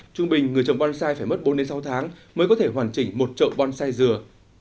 trung bình người trồng bonsai phải mất bốn sáu tháng mới có thể hoàn chỉnh một trậu bonsai dừa